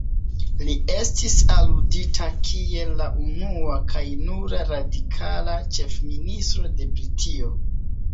Li estis aludita kiel "la unua kaj nura radikala Ĉefministro de Britio".